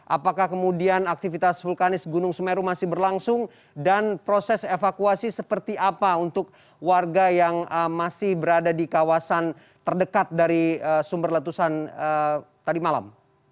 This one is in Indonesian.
apakah kemudian aktivitas vulkanis gunung semeru masih berlangsung dan proses evakuasi seperti apa untuk warga yang masih berada di kawasan terdekat dari sumber letusan tadi malam